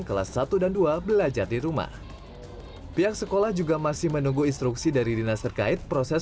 kelas satu dan dua belajar di rumah pihak sekolah juga masih menunggu instruksi dari dinas terkait proses